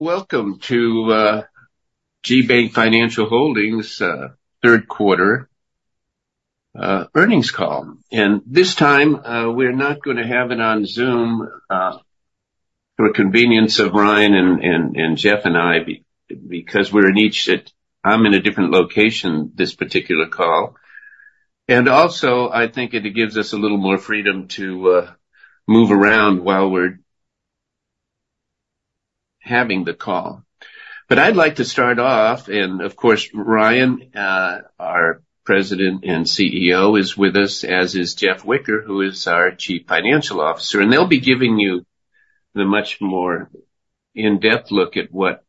Welcome to GBank Financial Holdings third quarter earnings call. This time, we're not going to have it on Zoom for convenience of Ryan and Jeff and I, because we're each at different locations this particular call. And also, I think it gives us a little more freedom to move around while we're having the call. But I'd like to start off, and of course, Ryan, our President and CEO, is with us, as is Jeff Whicker, who is our Chief Financial Officer, and they'll be giving you the much more in-depth look at what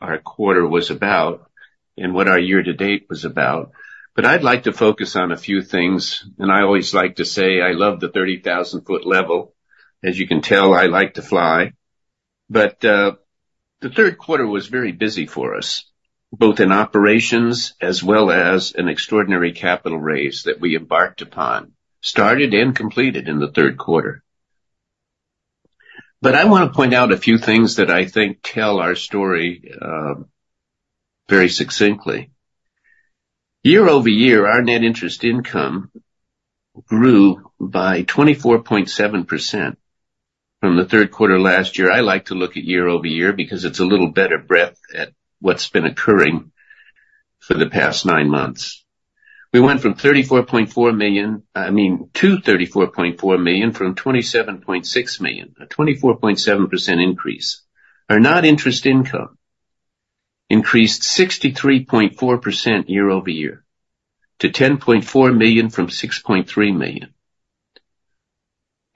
our quarter was about and what our year-to-date was about. But I'd like to focus on a few things, and I always like to say I love the thirty thousand foot level. As you can tell, I like to fly. But, the third quarter was very busy for us, both in operations as well as an extraordinary capital raise that we embarked upon, started and completed in the third quarter. But I want to point out a few things that I think tell our story, very succinctly. Year over year, our net interest income grew by 24.7% from the third quarter last year. I like to look at year over year because it's a little better breadth at what's been occurring for the past nine months. We went from $34.4 million. I mean, to $34.4 million from $27.6 million, a 24.7% increase. Our non-interest income increased 63.4% year over year to $10.4 million from $6.3 million.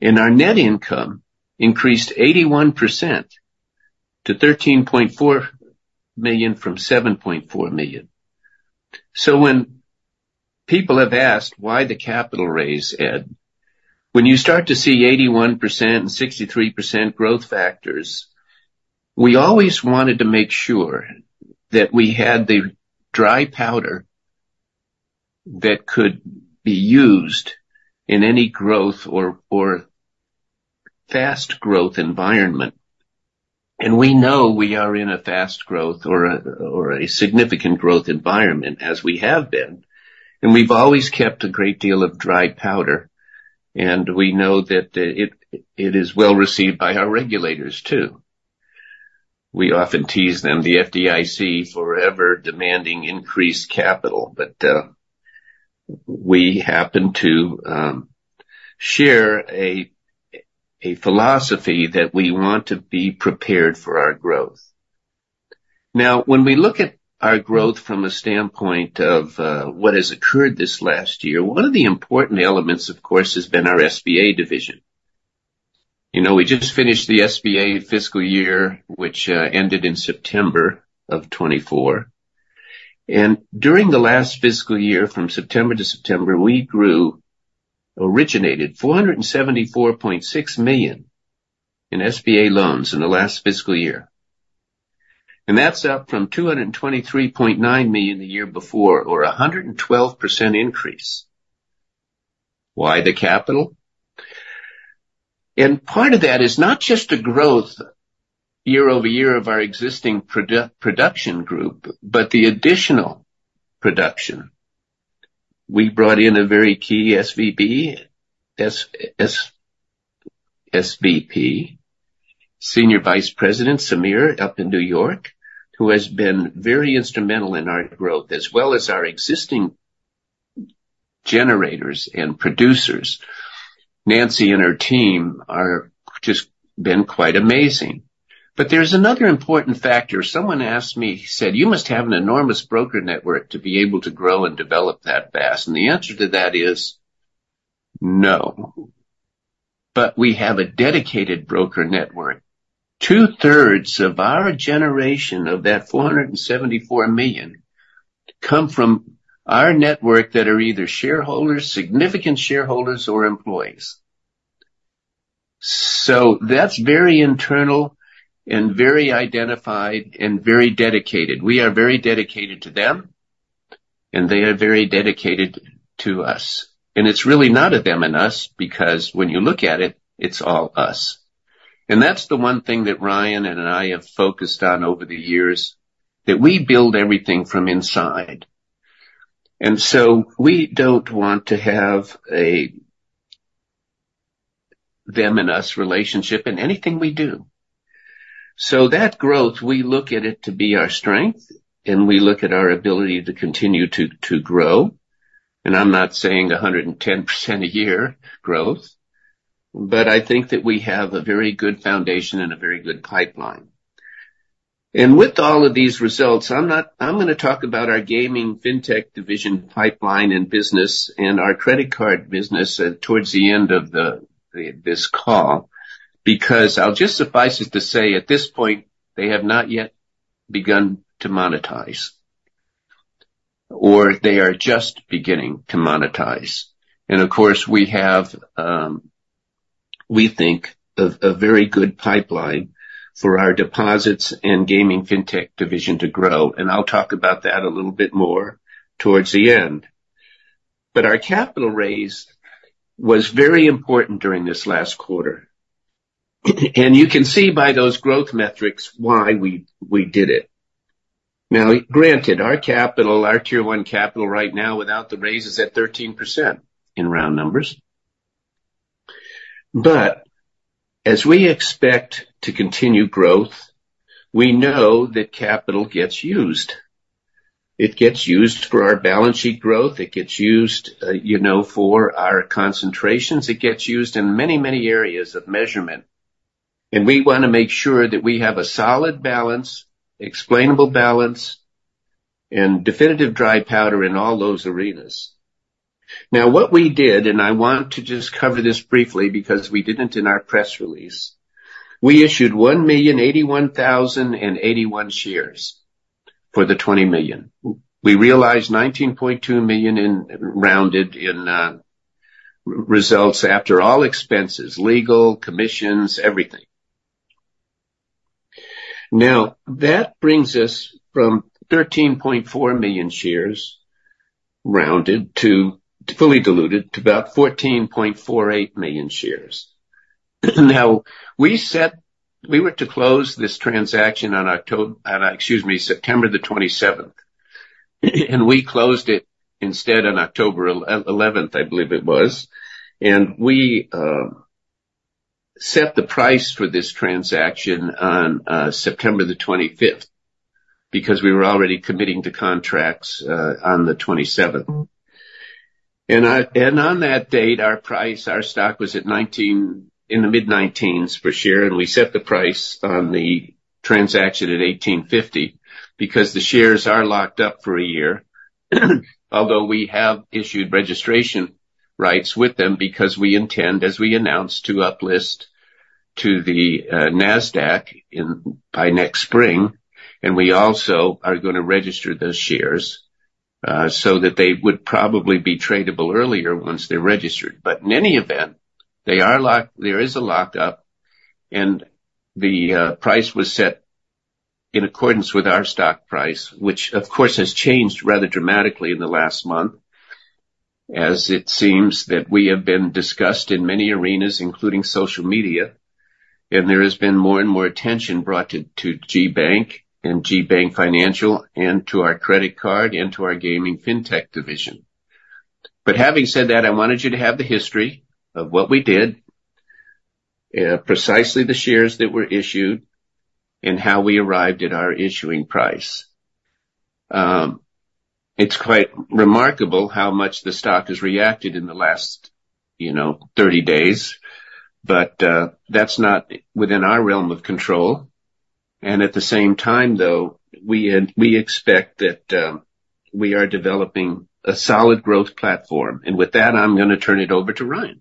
And our net income increased 81% to $13.4 million from $7.4 million. So when people have asked, "Why the capital raise, Ed?" When you start to see 81% and 63% growth factors, we always wanted to make sure that we had the dry powder that could be used in any growth or fast growth environment. And we know we are in a fast growth or a significant growth environment as we have been, and we've always kept a great deal of dry powder, and we know that it is well received by our regulators, too. We often tease them, the FDIC, forever demanding increased capital, but we happen to share a philosophy that we want to be prepared for our growth. Now, when we look at our growth from a standpoint of what has occurred this last year, one of the important elements, of course, has been our SBA division. You know, we just finished the SBA fiscal year, which ended in September 2024, and during the last fiscal year, from September to September we grew, originated $474.6 million in SBA loans in the last fiscal year. And that's up from $223.9 million the year before, or a 112% increase. Why the capital? And part of that is not just a growth year over year of our existing production group, but the additional production. We brought in a very key as SVP, thats SVP, Senior Vice President Samir, up in New York, who has been very instrumental in our growth, as well as our existing generators and producers. Nancy and her team are just been quite amazing. But there's another important factor. Someone asked me; he said, "You must have an enormous broker network to be able to grow and develop that fast." The answer to that is no. But we have a dedicated broker network. 2/3 of our generation of that $474 million come from our network that are either shareholders, significant shareholders, or employees. So that's very internal and very identified and very dedicated. We are very dedicated to them, and they are very dedicated to us. It's really not a them and us, because when you look at it, it's all us. And that's the one thing that Ryan and I have focused on over the years, that we build everything from inside. And so we don't want to have a them and us relationship in anything we do. So that growth, we look at it to be our strength, and we look at our ability to continue to grow. And I'm not saying 110% a year growth, but I think that we have a very good foundation and a very good pipeline. And with all of these results, I'm not. I'm going to talk about our gaming fintech division pipeline and business and our credit card business towards the end of this call, because I'll just suffice it to say, at this point, they have not yet begun to monetize, or they are just beginning to monetize. And of course, we have we think a very good pipeline for our deposits and gaming fintech division to grow, and I'll talk about that a little bit more towards the end. But our capital raise was very important during this last quarter. And you can see by those growth metrics why we did it. Now, granted, our capital, our Tier 1 capital right now, without the raise, is at 13% in round numbers. But as we expect to continue growth, we know that capital gets used. It gets used for our balance sheet growth. It gets used, you know, for our concentrations. It gets used in many, many areas of measurement, and we want to make sure that we have a solid balance, explainable balance, and definitive dry powder in all those arenas. Now, what we did, and I want to just cover this briefly because we didn't in our press release, we issued 1,081,081 shares for the $20 million. We realized $19.2 million in, rounded, in, results after all expenses, legal, commissions, everything. Now, that brings us from 13.4 million shares, rounded, to fully diluted, to about 14.48 million shares. Now, we set we were to close this transaction on September 27. And we closed it instead on October 11, I believe it was. And we set the price for this transaction on September 25, because we were already committing to contracts on the 27. On that date, our stock was at 19, in the mid 19 per share, and we set the price on the transaction at $18.50 because the shares are locked up for a year. Although we have issued registration rights with them because we intend, as we announced, to uplist to the Nasdaq by next spring. We also are gonna register those shares so that they would probably be tradable earlier once they are registered. In any event, they are locked up. There is a lockup, and the price was set in accordance with our stock price, which, of course, has changed rather dramatically in the last month, as it seems that we have been discussed in many arenas, including social media. There has been more and more attention brought to GBank and GBank Financial and to our credit card and to our gaming fintech Division. Having said that, I wanted you to have the history of what we did precisely the shares that were issued and how we arrived at our issuing price. It's quite remarkable how much the stock has reacted in the last, you know, 30 days, but that's not within our realm of control. At the same time, though, we expect that we are developing a solid growth platform. With that, I'm gonna turn it over to Ryan.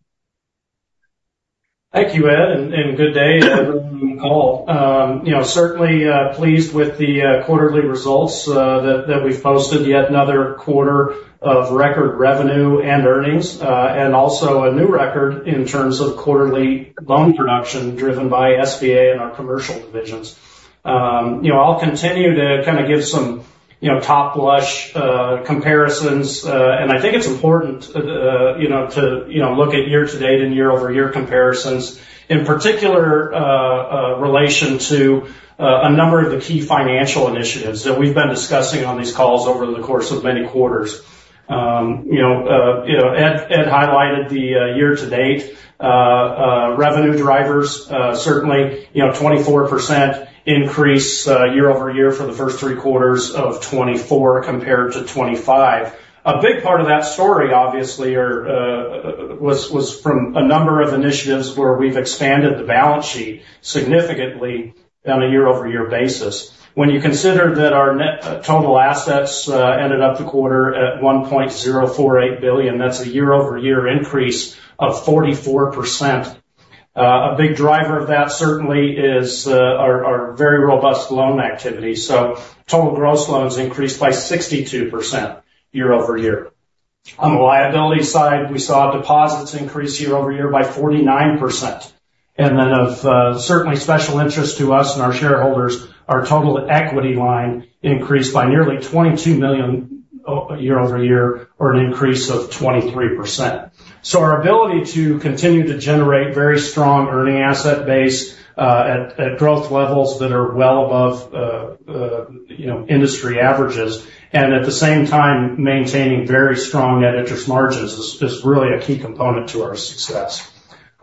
Thank you, Ed, and good day to everyone on the call. You know, certainly pleased with the quarterly results that we've posted yet another quarter of record revenue and earnings, and also a new record in terms of quarterly loan production, driven by SBA and our commercial divisions. You know, I'll continue to kind of give some, you know, high-level comparisons. And I think it's important, you know, to you know look at year-to-date and year-over-year comparisons, in particular in relation to a number of the key financial initiatives that we've been discussing on these calls over the course of many quarters. You know, Ed highlighted the year-to-date revenue drivers, certainly, you know, 24% increase year over year for fintech the first three quarters of 2024 compared to 2025. A big part of that story, obviously, was from a number of initiatives where we've expanded the balance sheet significantly on a year-over-year basis. When you consider that our net total assets ended the quarter at $1.048 billion, that's a year-over-year increase of 44%. A big driver of that certainly is our very robust loan activity. So total gross loans increased by 62% year over year. On the liability side, we saw deposits increase year over year by 49%. And then, of, certainly special interest to us and our shareholders, our total equity line increased by nearly $22 million year over year, or an increase of 23%. So our ability to continue to generate very strong earning asset base, at growth levels that are well above, you know, industry averages, and at the same time, maintaining very strong net interest margins, is really a key component to our success.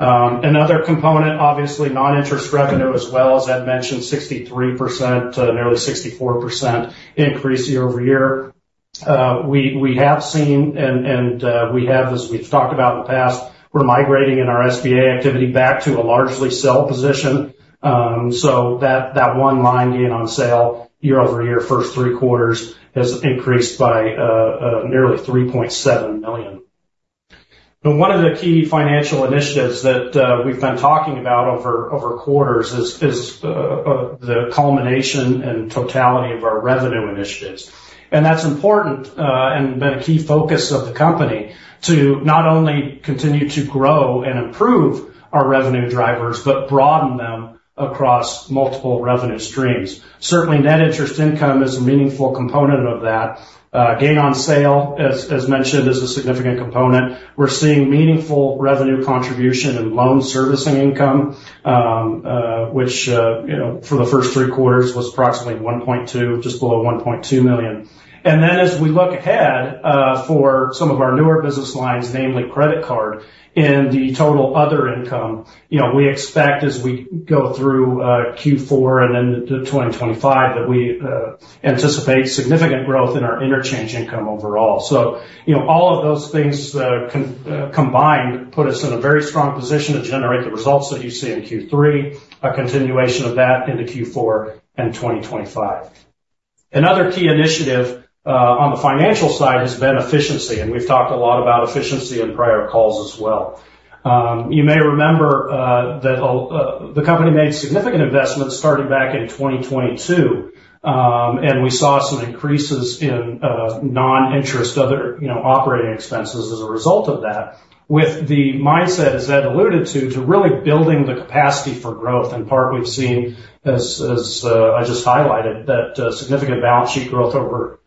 Another component, obviously, non-interest revenue as well. As Ed mentioned, 63%, nearly 64% increase year over year. We have seen and we have, as we've talked about in the past, we're migrating in our SBA activity back to a largely sell position. So that one line gain on sale year over year, first three quarters, has increased by nearly $3.7 million. Now, one of the key financial initiatives that we've been talking about over quarters is the culmination and totality of our revenue initiatives. And that's important and been a key focus of the company, to not only continue to grow and improve our revenue drivers, but broaden them across multiple revenue streams. Certainly, net interest income is a meaningful component of that. Gain on sale, as mentioned, is a significant component. We're seeing meaningful revenue contribution and loan servicing income, which, you know, for the first three quarters was approximately $1.2 million, just below $1.2 million. And then as we look ahead, for some of our newer business lines, namely credit card and the total other income, you know, we expect as we go through Q4 and into 2025, that we anticipate significant growth in our interchange income overall. So, you know, all of those things combined put us in a very strong position to generate the results that you see in Q3, a continuation of that into Q4 and 2025. Another key initiative on the financial side has been efficiency, and we've talked a lot about efficiency in prior calls as well. You may remember that the company made significant investments starting back in 2022, and we saw some increases in non-interest other, you know, operating expenses as a result of that, with the mindset, as Ed alluded to, to really building the capacity for growth. In part, we've seen, as I just highlighted, that significant balance sheet growth over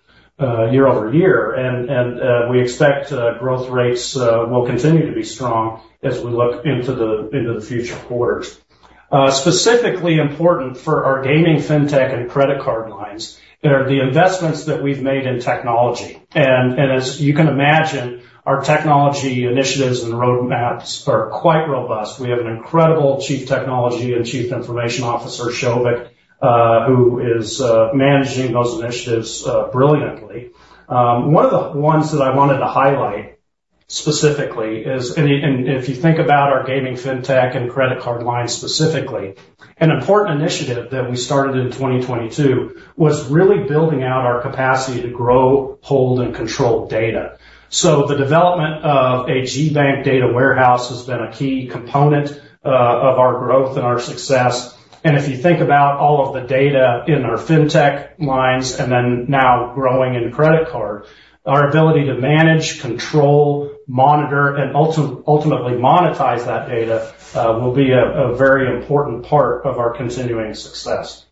year over year. And we expect growth rates will continue to be strong as we look into the future quarters. Specifically important for our gaming, fintech, and credit card lines are the investments that we've made in technology. And as you can imagine, our technology initiatives and roadmaps are quite robust. We have an incredible Chief Technology and Chief Information Officer, Shouvik, who is managing those initiatives brilliantly. One of the ones that I wanted to highlight specifically is, and if you think about our gaming, fintech, and credit card lines specifically, an important initiative that we started in 2022 was really building out our capacity to grow, hold, and control data. So the development of a GBank data warehouse has been a key component of our growth and our success. And if you think about all of the data in our fintech lines and then now growing in credit card, our ability to manage, control, monitor, and ultimately monetize that data will be a very important part of our continuing success.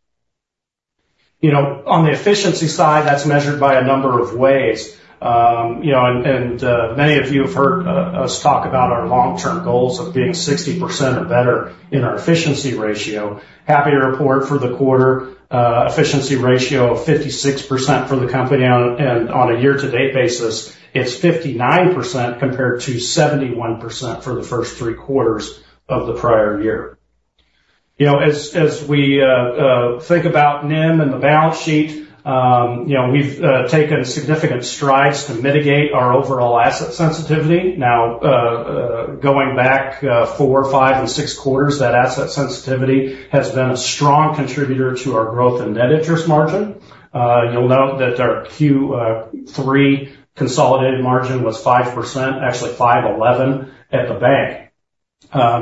You know, on the efficiency side, that's measured by a number of ways. You know, and many of you have heard us talk about our long-term goals of being 60% or better in our efficiency ratio. Happy to report for the quarter, efficiency ratio of 56% for the company, and on a year-to-date basis, it's 59%, compared to 71% for the first three quarters of the prior year. You know, as we think about NIM and the balance sheet, you know, we've taken significant strides to mitigate our overall asset sensitivity. Now, going back four, five, and six quarters, that asset sensitivity has been a strong contributor to our growth in net interest margin. You'll note that our Q3 consolidated margin was 5%, actually 5.11% at the bank.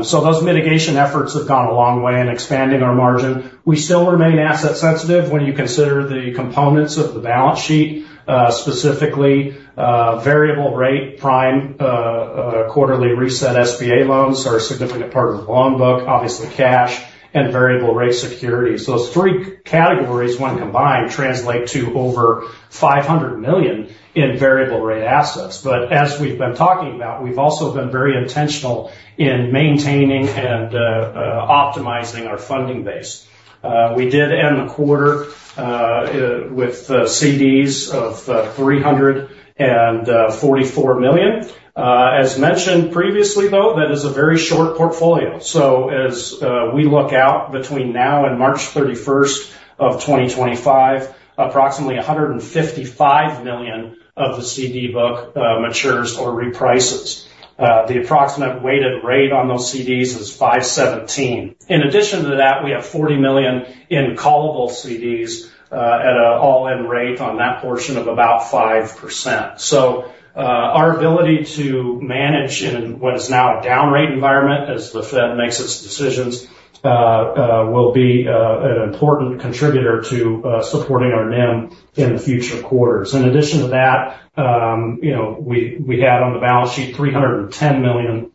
So those mitigation efforts have gone a long way in expanding our margin. We still remain asset sensitive when you consider the components of the balance sheet, specifically, variable rate, prime, quarterly reset SBA loans are a significant part of the loan book, obviously, cash and variable rate securities. Those three categories, when combined, translate to over $500 million in variable rate assets. But as we've been talking about, we've also been very intentional in maintaining and optimizing our funding base. We did end the quarter with CDs of $344 million. As mentioned previously, though, that is a very short portfolio. So as we look out between now and March thirty-first, 2025, approximately $155 million of the CD book matures or reprices. The approximate weighted rate on those CDs is 5.17%. In addition to that, we have $40 million in callable CDs at an all-in rate on that portion of about 5%. So, our ability to manage in what is now a down rate environment, as the Fed makes its decisions, will be an important contributor to supporting our NIM in the future quarters. In addition to that, you know, we had on the balance sheet $310 million,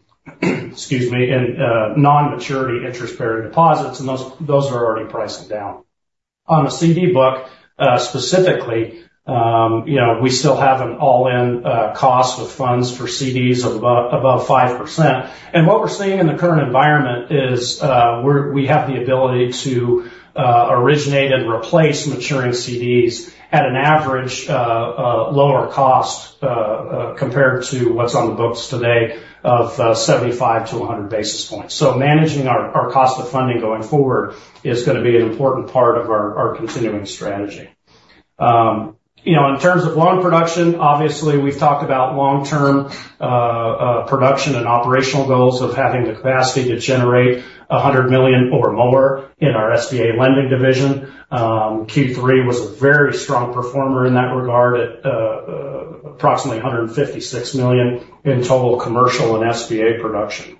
excuse me, in non-maturity interest-bearing deposits, and those are already pricing down. On the CD book, specifically, you know, we still have an all-in cost with funds for CDs of about above 5%. What we're seeing in the current environment is that we have the ability to originate and replace maturing CDs at an average lower cost compared to what's on the books today, of 75 to 100 basis points. So managing our cost of funding going forward is gonna be an important part of our continuing strategy. You know, in terms of loan production, obviously, we've talked about long-term production and operational goals of having the capacity to generate $100 million or more in our SBA lending division. Q3 was a very strong performer in that regard at approximately $156 million in total commercial and SBA production.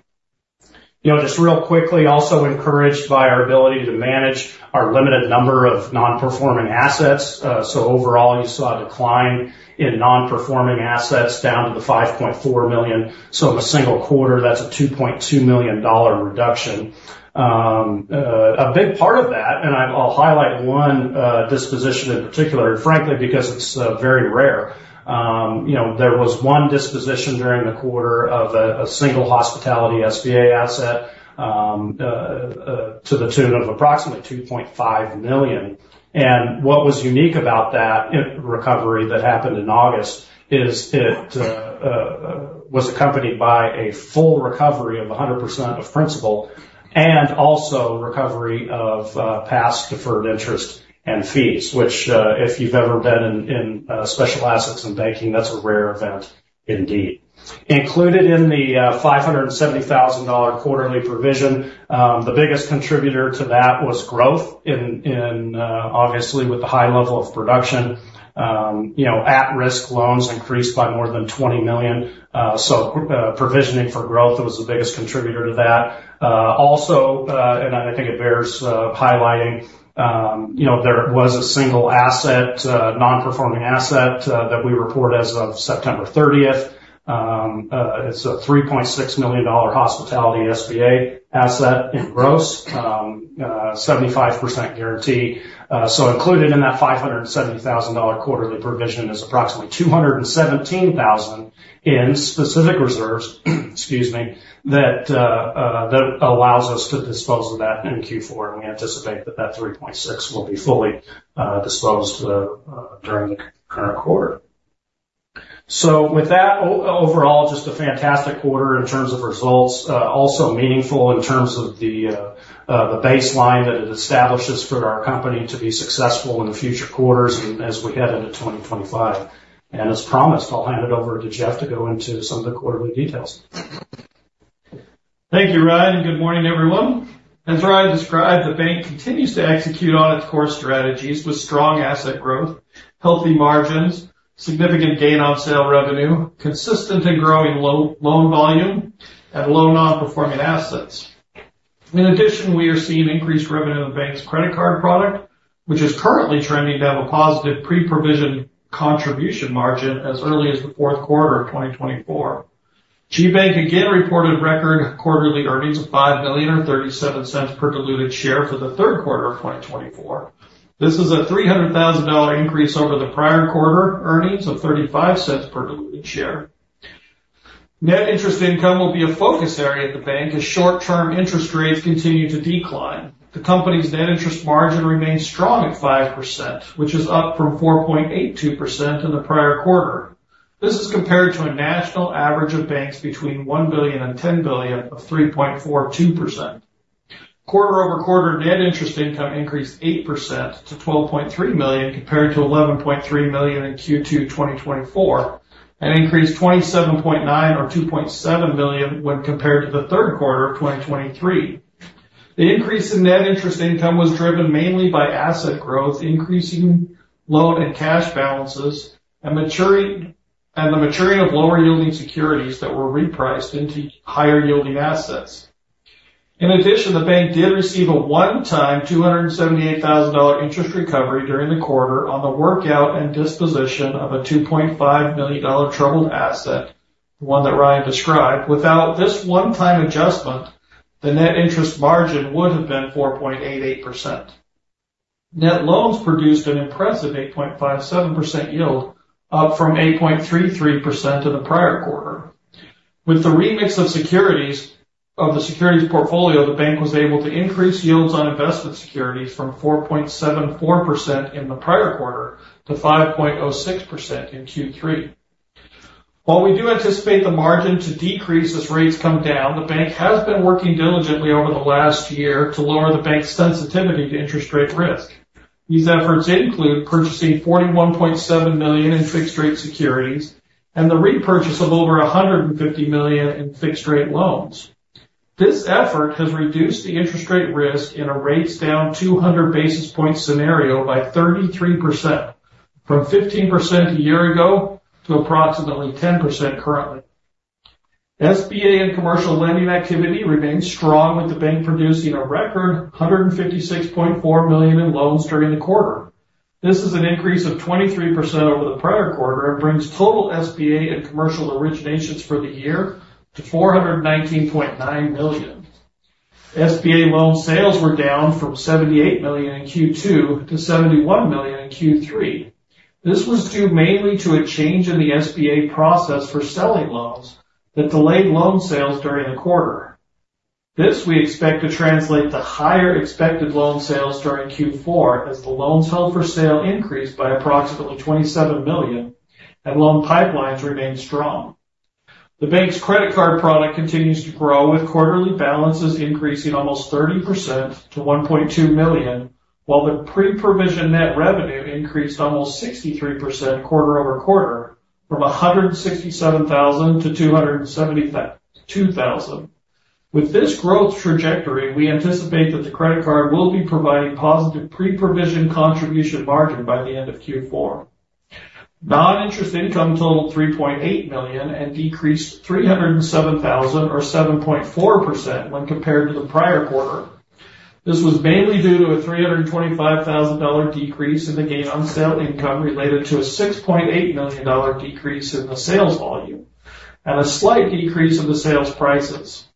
You know, just real quickly, also encouraged by our ability to manage our limited number of non-performing assets. So overall, you saw a decline in non-performing assets down to $5.4 million. In a single quarter, that's a $2.2 million reduction. A big part of that, and I'll highlight one disposition in particular, frankly, because it's very rare. You know, there was one disposition during the quarter of a single hospitality SBA asset to the tune of approximately $2.5 million. What was unique about that recovery that happened in August is it was accompanied by a full recovery of 100% of principal and also recovery of past deferred interest and fees, which, if you've ever been in special assets and banking, that's a rare event indeed. Included in the $570,000 quarterly provision, the biggest contributor to that was growth in, obviously, with the high level of production, you know, at-risk loans increased by more than $20 million. So, provisioning for growth was the biggest contributor to that. Also, and I think it bears highlighting, you know, there was a single asset, non-performing asset, that we report as of September 30. It's a $3.6 million hospitality SBA asset in gross, 75% guarantee. So included in that $570,000 quarterly provision is approximately $217,000 in specific reserves. Excuse me, that allows us to dispose of that in Q4, and we anticipate that 3.6 will be fully disposed of during the current quarter. With that, overall, just a fantastic quarter in terms of results, also meaningful in terms of the baseline that it establishes for our company to be successful in the future quarters and as we head into 2025. As promised, I'll hand it over to Jeff to go into some of the quarterly details. Thank you, Ryan, and good morning, everyone. As Ryan described, the bank continues to execute on its core strategies with strong asset growth, healthy margins, significant gain on sale revenue, consistent and growing loan volume, and low non-performing assets. In addition, we are seeing increased revenue in the bank's credit card product, which is currently trending to have a positive pre-provision contribution margin as early as the fourth quarter of 2024. GBank again reported record quarterly earnings of $5 million or $0.37 per diluted share for the third quarter of 2024. This is a $300,000 increase over the prior quarter, earnings of $0.35 per diluted share. Net interest income will be a focus area at the bank as short-term interest rates continue to decline. The company's net interest margin remains strong at 5%, which is up from 4.82% in the prior quarter. This is compared to a national average of banks between $1 billion-$10 billion of 3.42%. Quarter over quarter, net interest income increased 8% to $12.3 million, compared to $11.3 million in Q2 2024, and increased 27.9% or $2.7 million when compared to the third quarter of 2023. The increase in net interest income was driven mainly by asset growth, increasing loan and cash balances, and the maturing of lower-yielding securities that were repriced into higher-yielding assets. In addition, the bank did receive a one-time $278,000 interest recovery during the quarter on the workout and disposition of a $2.5 million troubled asset, the one that Ryan described. Without this one-time adjustment, the net interest margin would have been 4.88%. Net loans produced an impressive 8.57% yield, up from 8.33% in the prior quarter. With the remix of securities, of the securities portfolio, the bank was able to increase yields on investment securities from 4.74% in the prior quarter to 5.06% in Q3. While we do anticipate the margin to decrease as rates come down, the bank has been working diligently over the last year to lower the bank's sensitivity to interest rate risk. These efforts include purchasing $41.7 million in fixed rate securities and the repurchase of over $150 million in fixed rate loans. This effort has reduced the interest rate risk in a rates down 200 basis points scenario by 33%, from 15% a year ago to approximately 10% currently. SBA and commercial lending activity remains strong, with the bank producing a record $156.4 million in loans during the quarter. This is an increase of 23% over the prior quarter and brings total SBA and commercial originations for the year to $419.9 million. SBA loan sales were down from $78 million in Q2 to $71 million in Q3. This was due mainly to a change in the SBA process for selling loans that delayed loan sales during the quarter. This we expect to translate to higher expected loan sales during Q4 as the loans held for sale increased by approximately $27 million and loan pipelines remained strong. The bank's credit card product continues to grow, with quarterly balances increasing almost 30% to $1.2 million, while the pre-provision net revenue increased almost 63% quarter over quarter from $167,000-$272,000. With this growth trajectory, we anticipate that the credit card will be providing positive pre-provision contribution margin by the end of Q4. Non-interest income totaled $3.8 million and decreased $307,000 or 7.4% when compared to the prior quarter. This was mainly due to a $325,000 decrease in the gain on sale income related to a $6.8 million decrease in the sales volume and a slight decrease in the sales prices.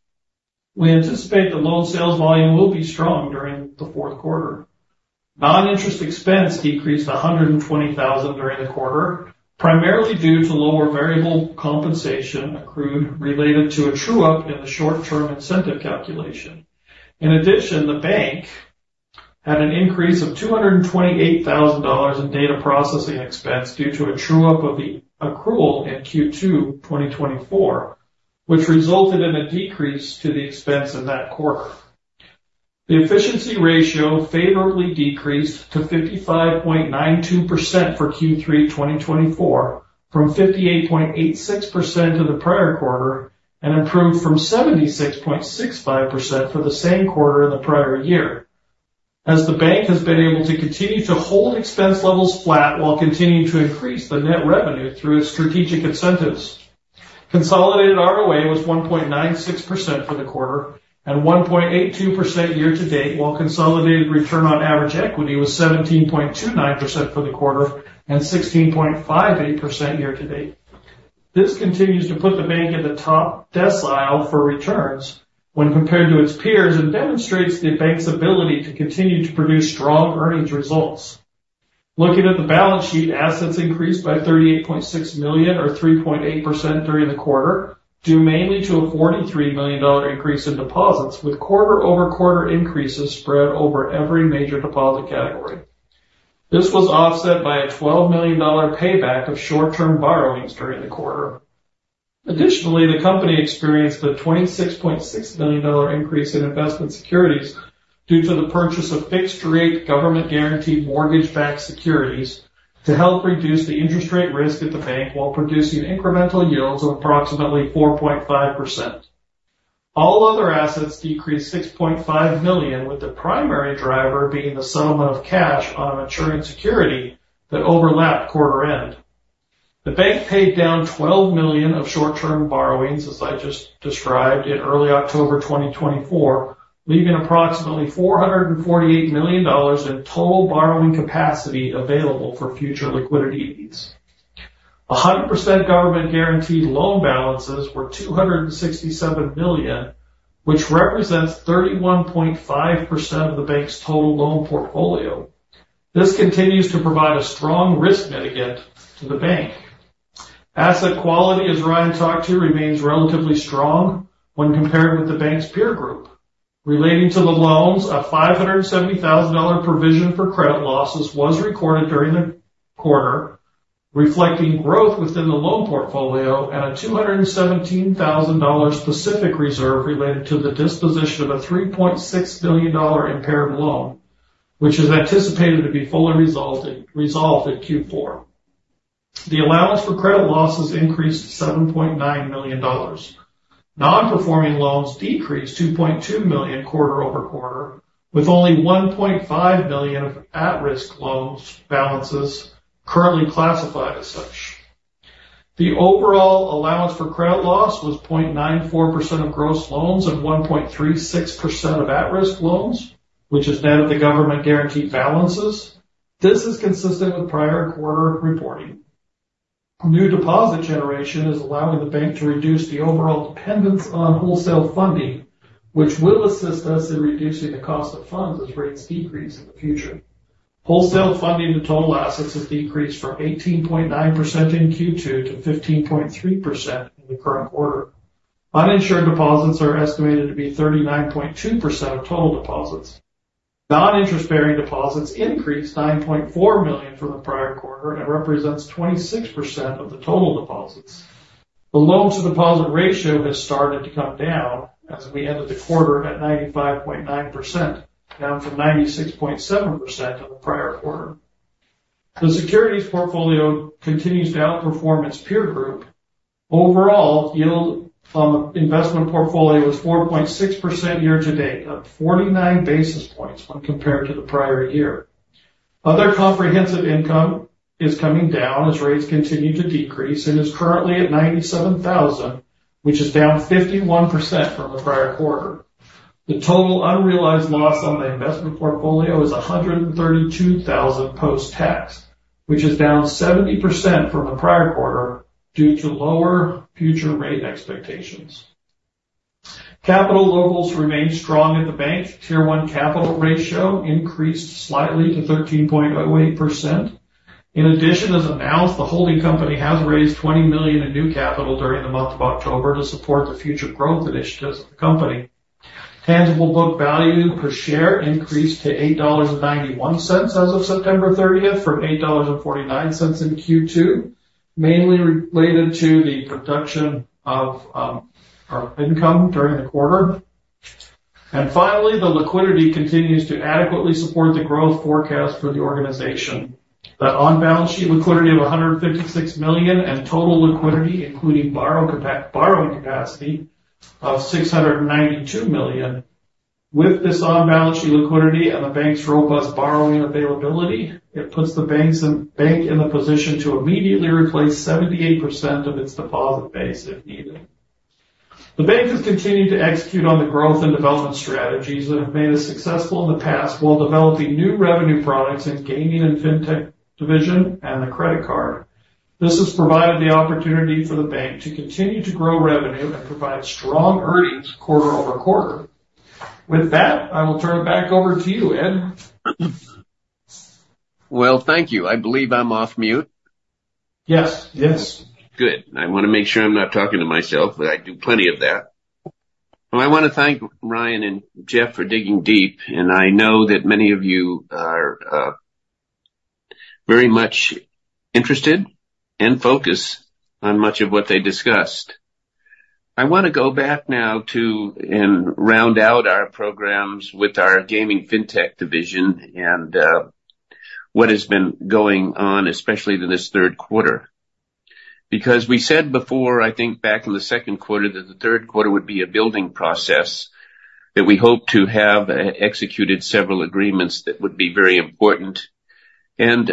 We anticipate the loan sales volume will be strong during the fourth quarter. Non-interest expense decreased $120,000 during the quarter, primarily due to lower variable compensation accrued related to a true-up in the short-term incentive calculation. In addition, the bank had an increase of $228,000 in data processing expense due to a true-up of the accrual in Q2 2024, which resulted in a decrease to the expense in that quarter. The efficiency ratio favorably decreased to 55.92% for Q3 2024, from 58.86% in the prior quarter, and improved from 76.65% for the same quarter in the prior year. As the bank has been able to continue to hold expense levels flat while continuing to increase the net revenue through its strategic incentives. Consolidated ROA was 1.96% for the quarter and 1.82% year to date, while consolidated return on average equity was 17.29% for the quarter and 16.58% year to date. This continues to put the bank in the top decile for returns when compared to its peers, and demonstrates the bank's ability to continue to produce strong earnings results. Looking at the balance sheet, assets increased by $38.6 million or 3.8% during the quarter, due mainly to a $43 million increase in deposits, with quarter over quarter increases spread over every major deposit category. This was offset by a $12 million payback of short-term borrowings during the quarter. Additionally, the company experienced a $26.6 million increase in investment securities due to the purchase of fixed-rate government-guaranteed mortgage-backed securities to help reduce the interest rate risk at the bank, while producing incremental yields of approximately 4.5%. All other assets decreased 6.5 million, with the primary driver being the settlement of cash on a maturing security that overlapped quarter end. The bank paid down $12 million of short-term borrowings, as I just described, in early October 2024, leaving approximately $448 million in total borrowing capacity available for future liquidity needs. 100% government-guaranteed loan balances were $267 million, which represents 31.5% of the bank's total loan portfolio. This continues to provide a strong risk mitigant to the bank. Asset quality, as Ryan talked to, remains relatively strong when compared with the bank's peer group. Relating to the loans, a $570,000 provision for credit losses was recorded during the quarter, reflecting growth within the loan portfolio at a $217,000 specific reserve related to the disposition of a $3.6 billion impaired loan, which is anticipated to be fully resolved in Q4. The allowance for credit losses increased to $7.9 million. Non-performing loans decreased $2.2 million quarter over quarter, with only $1.5 million of at-risk loans balances currently classified as such. The overall allowance for credit loss was 0.94% of gross loans and 1.36% of at-risk loans, which is net of the government-guaranteed balances. This is consistent with prior quarter reporting. New deposit generation is allowing the bank to reduce the overall dependence on wholesale funding, which will assist us in reducing the cost of funds as rates decrease in the future. Wholesale funding to total assets has decreased from 18.9% in Q2 to 15.3% in the current quarter. Uninsured deposits are estimated to be 39.2% of total deposits. Non-interest-bearing deposits increased $9.4 million from the prior quarter and represents 26% of the total deposits. The loan-to-deposit ratio has started to come down as we ended the quarter at 95.9%, down from 96.7% in the prior quarter. The securities portfolio continues to outperform its peer group. Overall, yield from investment portfolio is 4.6% year to date, up 49 basis points when compared to the prior year. Other comprehensive income is coming down as rates continue to decrease and is currently at $97,000, which is down 51% from the prior quarter. The total unrealized loss on the investment portfolio is $132,000 post-tax, which is down 70% from the prior quarter due to lower future rate expectations. Capital levels remain strong in the bank. Tier 1 capital ratio increased slightly to 13.08%. In addition, as announced, the holding company has raised $20 million in new capital during the month of October to support the future growth initiatives of the company. Tangible book value per share increased to $8.91 as of September 30 from $8.49 in Q2, mainly related to the reduction of our income during the quarter. Finally, the liquidity continues to adequately support the growth forecast for the organization. The on-balance sheet liquidity of $156 million and total liquidity, including borrowing capacity of $692 million. With this on-balance sheet liquidity and the bank's robust borrowing availability, it puts the bank in the position to immediately replace 78% of its deposit base if needed. The bank has continued to execute on the growth and development strategies that have made us successful in the past, while developing new revenue products in gaming and fintech division and the credit card. This has provided the opportunity for the bank to continue to grow revenue and provide strong earnings quarter over quarter. With that, I will turn it back over to you, Ed. Thank you. I believe I'm off mute. Yes. Yes. Good. I want to make sure I'm not talking to myself, but I do plenty of that. I want to thank Ryan and Jeff for digging deep, and I know that many of you are very much interested and focused on much of what they discussed. I want to go back now to, and round out our programs with our gaming fintech division and what has been going on, especially in this third quarter. Because we said before, I think back in the second quarter, that the third quarter would be a building process, that we hope to have executed several agreements that would be very important. And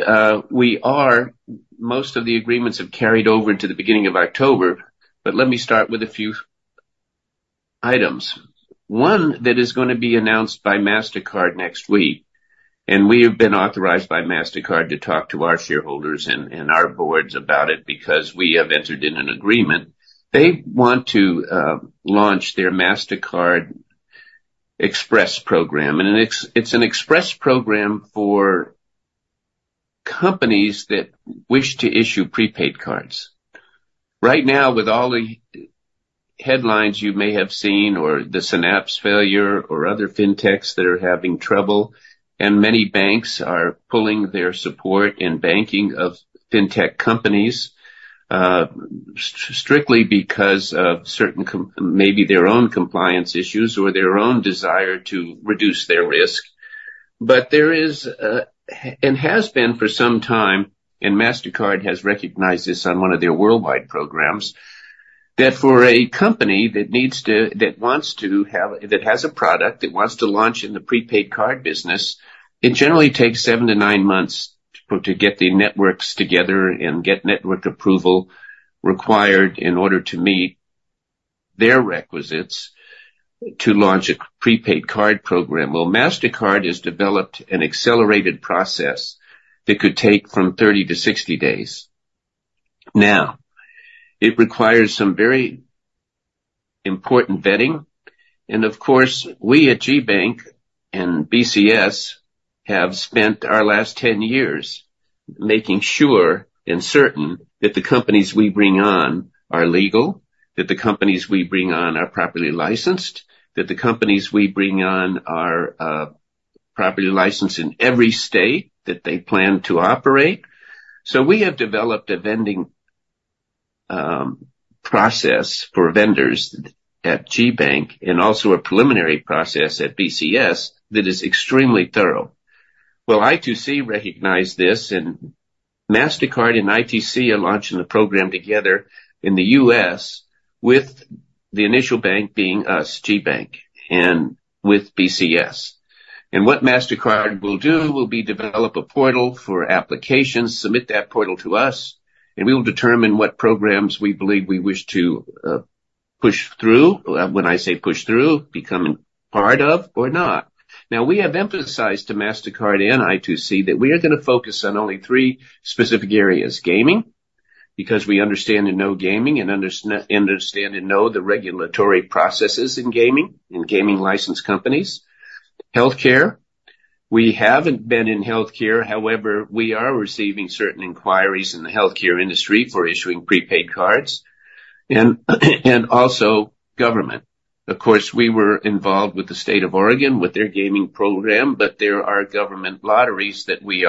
we are most of the agreements have carried over into the beginning of October, but let me start with a few items. One, that is going to be announced by Mastercard next week, and we have been authorized by Mastercard to talk to our shareholders and our boards about it, because we have entered in an agreement. They want to launch their Mastercard Express program, and it's an express program for companies that wish to issue prepaid cards. Right now, with all the headlines you may have seen or the Synapse failure or other fintechs that are having trouble, and many banks are pulling their support in banking of fintech companies, strictly because of certain, maybe their own compliance issues or their own desire to reduce their risk. But there is a, and has been for some time, and Mastercard has recognized this on one of their worldwide programs, that for a company that wants to have... That has a product that wants to launch in the prepaid card business, it generally takes seven to nine months to get the networks together and get network approval required in order to meet their requisites to launch a prepaid card program. Mastercard has developed an accelerated process that could take from 30 to 60 days. Now, it requires some very important vetting, and of course, we at GBank and BCS have spent our last 10 years making sure and certain that the companies we bring on are legal, that the companies we bring on are properly licensed, that the companies we bring on are properly licensed in every state that they plan to operate. We have developed a vetting process for vendors at GBank and also a preliminary process at BCS that is extremely thorough. i2c recognized this, and Mastercard and i2c are launching the program together in the U.S. with the initial bank being us, GBank, and with BCS. What Mastercard will do will be develop a portal for applications, submit that portal to us, and we will determine what programs we believe we wish to push through. When I say push through, becoming part of or not. We have emphasized to Mastercard and i2c that we are going to focus on only three specific areas: gaming, because we understand and know gaming and understand and know the regulatory processes in gaming and gaming licensed companies. Healthcare, we haven't been in healthcare. However, we are receiving certain inquiries in the healthcare industry for issuing prepaid cards and also government. Of course, we were involved with the state of Oregon with their gaming program, but there are government lotteries that we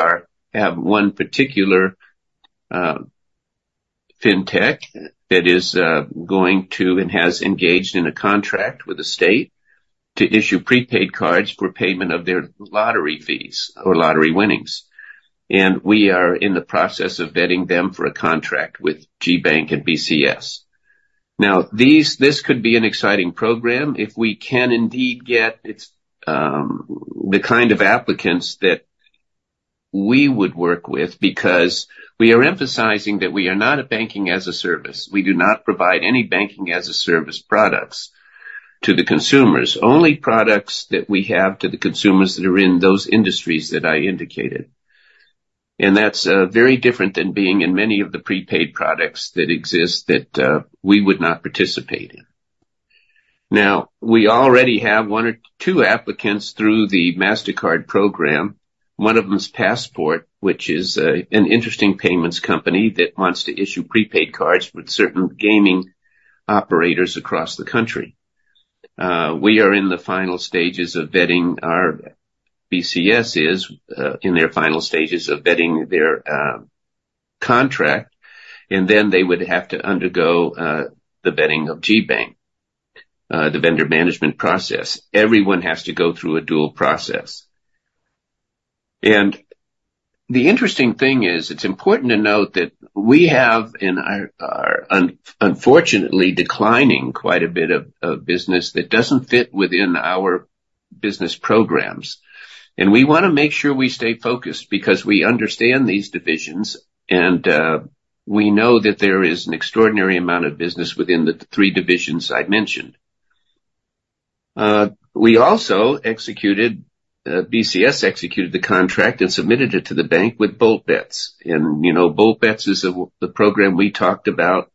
have one particular fintech that is going to, and has engaged in a contract with the state to issue prepaid cards for payment of their lottery fees or lottery winnings. And we are in the process of vetting them for a contract with GBank and BCS. Now, this could be an exciting program if we can indeed get its, the kind of applicants that we would work with, because we are emphasizing that we are not a banking as a service. We do not provide any banking as a service products to the consumers. Only products that we have to the consumers that are in those industries that I indicated. And that's very different than being in many of the prepaid products that exist that we would not participate in. Now, we already have one or two applicants through the Mastercard program. One of them is Passport, which is an interesting payments company that wants to issue prepaid cards with certain gaming operators across the country. We are in the final stages of vetting our BCS is in their final stages of vetting their contract, and then they would have to undergo the vetting of GBank, the vendor management process. Everyone has to go through a dual process. And the interesting thing is, it's important to note that we have and are unfortunately declining quite a bit of business that doesn't fit within our business programs. And we want to make sure we stay focused because we understand these divisions, and we know that there is an extraordinary amount of business within the three divisions I mentioned. We also executed. BCS executed the contract and submitted it to the bank with Bold Bets. And you know, Bold Bets is the program we talked about,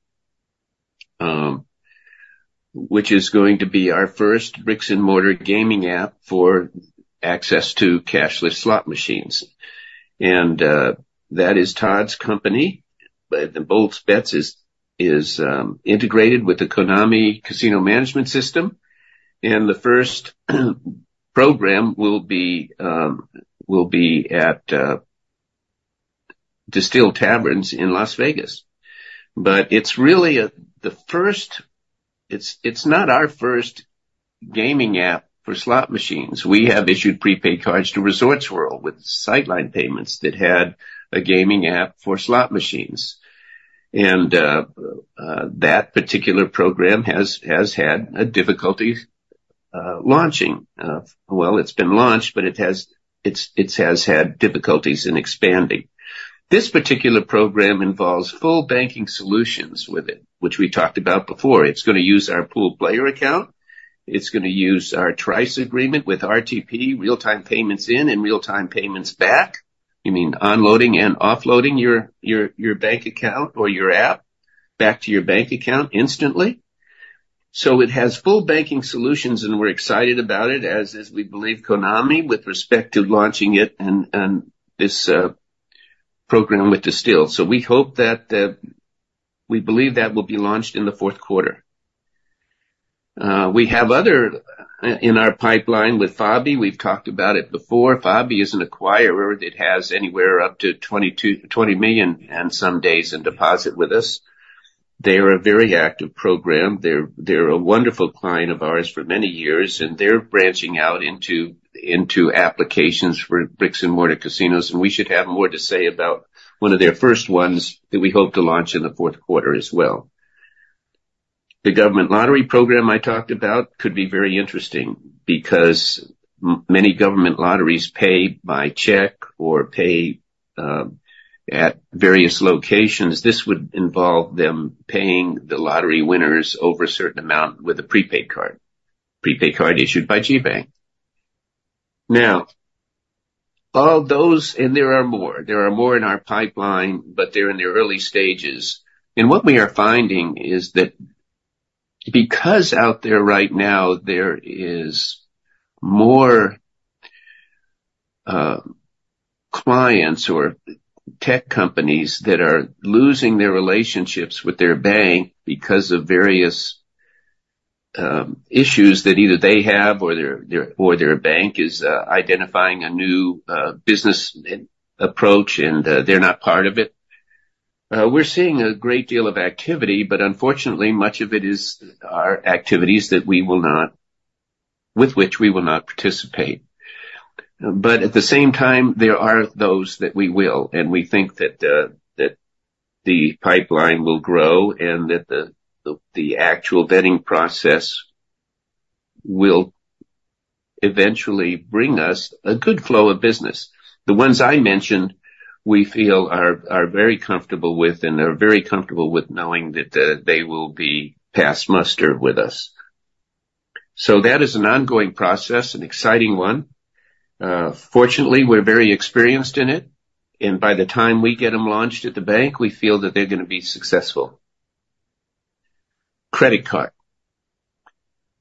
which is going to be our first bricks-and-mortar gaming app for access to cashless slot machines. And that is Todd's company. But Bold Bets is integrated with the Konami Casino Management System, and the first program will be at Distill Taverns in Las Vegas. But it's really the first. It's not our first gaming app for slot machines. We have issued prepaid cards to Resorts World with Sightline Payments that had a gaming app for slot machines. And that particular program has had a difficulty launching. Well, it's been launched, but it has had difficulties in expanding. This particular program involves full banking solutions with it, which we talked about before. It's going to use our pooled player account. It's going to use our Trice agreement with RTP, real-time payments in and real-time payments back. You mean unloading and offloading your bank account or your app back to your bank account instantly. So it has full banking solutions, and we're excited about it, as we believe Konami, with respect to launching it and this program with Distill. So we hope that. We believe that will be launched in the fourth quarter. We have other in our pipeline with Fabi. We've talked about it before. Fabi is an acquirer that has anywhere up to 20-22 million and some days in deposit with us. They are a very active program. They're a wonderful client of ours for many years, and they're branching out into applications for bricks-and-mortar casinos, and we should have more to say about one of their first ones that we hope to launch in the fourth quarter as well. The government lottery program I talked about could be very interesting because many government lotteries pay by check or pay at various locations. This would involve them paying the lottery winners over a certain amount with a prepaid card issued by GBank. Now, all those, and there are more in our pipeline, but they're in the early stages. What we are finding is that because out there right now there is more clients or tech companies that are losing their relationships with their bank because of various issues that either they have or their bank is identifying a new business approach, and they're not part of it. We're seeing a great deal of activity, but unfortunately, much of it are activities with which we will not participate. But at the same time, there are those that we will, and we think that the pipeline will grow and that the actual vetting process will eventually bring us a good flow of business. The ones I mentioned, we feel are very comfortable with, and they're very comfortable with knowing that they will be passed muster with us. That is an ongoing process, an exciting one. Fortunately, we're very experienced in it, and by the time we get them launched at the bank, we feel that they're going to be successful. Credit card.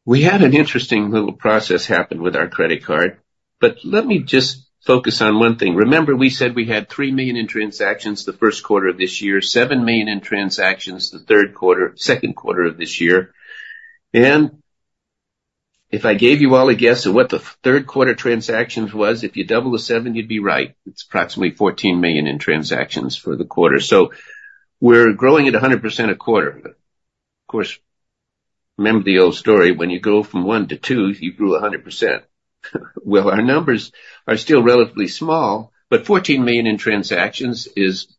We had an interesting little process happen with our credit card, but let me just focus on one thing. Remember, we said we had 3 million in transactions the first quarter of this year, 7 million in transactions, the third quarter, second quarter of this year, and if I gave you all a guess of what the third quarter transactions was, if you double the seven, you'd be right. It's approximately 14 million in transactions for the quarter, so we're growing at 100% a quarter. Of course, remember the old story when you go from one to two, you grew 100%. Our numbers are still relatively small, but 14 million in transactions